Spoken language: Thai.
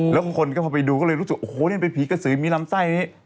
แล้วคนก็เปิดไปดูก็เลยรู้สึกโอ๊ยผมเป็นผีกสือมีลำไส้นี่